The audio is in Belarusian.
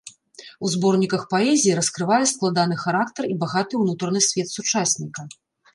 У зборніках паэзіі раскрывае складаны характар і багаты ўнутраны свет сучасніка.